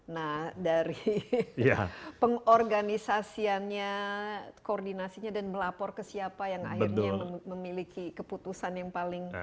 nah dari pengorganisasiannya koordinasinya dan melapor ke siapa yang akhirnya memiliki keputusan yang paling